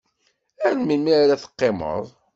Ar melmi ara teqqimeḍ?